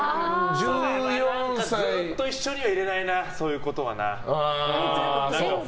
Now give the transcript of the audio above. ずっと一緒にはいれないなそういう子とはな。